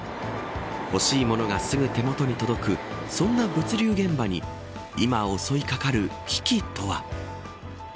欲しい物がすぐ手元に届くそんな物流現場に今、襲いかかる危機とは。